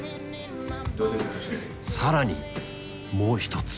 更にもう一つ。